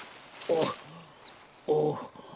おお。